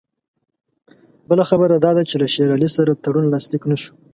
بله خبره دا ده چې له شېر علي سره تړون لاسلیک نه شو.